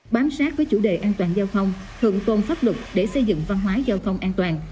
bám sát với chủ đề an toàn giao thông thượng tôn pháp luật để xây dựng văn hóa giao thông an toàn